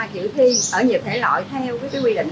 dự thi ở nhiều thể loại theo quy định